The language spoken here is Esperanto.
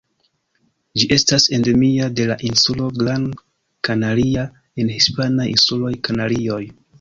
Ĝi estas endemia de la insulo Gran Canaria en hispanaj insuloj Kanarioj.